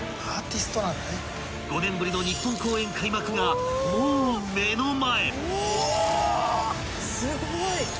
［５年ぶりの日本公演開幕がもう目の前］